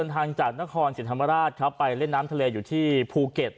การรันทะเลอยู่ที่ภูเก็ต